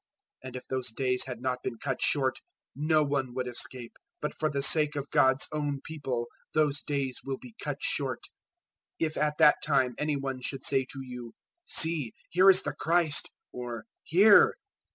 024:022 And if those days had not been cut short, no one would escape; but for the sake of God's own People those days will be cut short. 024:023 "If at that time any one should say to you, `See, here is the Christ!' or `Here!'